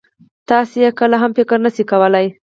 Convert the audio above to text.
تاسې يې کله هم فکر نه شئ کولای.